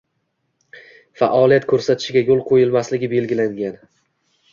faoliyat ko‘rsatishiga yo‘l qo‘yilmasligi belgilangan.